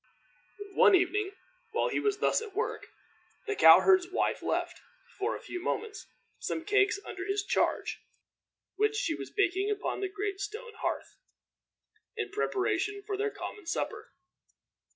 One evening, while he was thus at work, the cow herd's wife left, for a few moments, some cakes under his charge, which she was baking upon the great stone hearth, in preparation for their common supper.